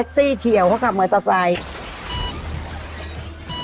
เท็กซี่เฉียวเขาขาบเมอร์ทอฟไลหน์